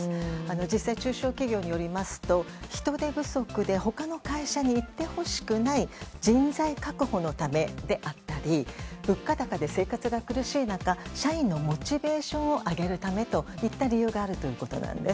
実際、中小企業によりますと人手不足で他の会社に行ってほしくない人材確保のためであったり物価高で生活が苦しい中社員のモチベーションを上げるためといった理由があるということなんです。